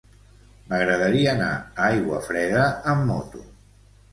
M'agradaria anar a Aiguafreda amb moto.